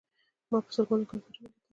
ما په سلګونه کوترې ولیدلې.